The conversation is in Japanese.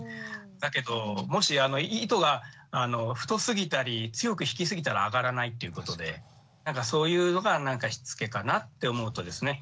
だけどもし糸が太すぎたり強く引きすぎたら揚がらないっていうことでなんかそういうのがしつけかなって思うとですね